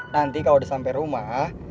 nanti kalau udah sampai rumah